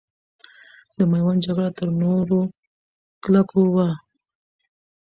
د میوند جګړه تر نورو کلکو وه.